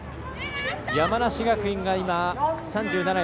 山梨学院が今、３７位。